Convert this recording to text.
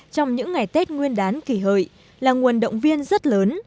trong những ngày tết nguyên đán kỷ hợi là nguồn động viên rất lớn